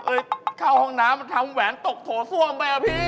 เข้าห้องน้ำมันทำแหวนตกโถส้วมไปอ่ะพี่